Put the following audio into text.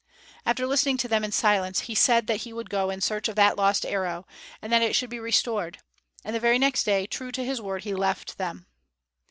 After listening to them in silence, he said that he would go in search of the lost arrow, and that it should be restored; and the very next day, true to his word, he left them.